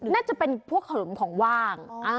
น่าจะเป็นพวกเหิมของว่าง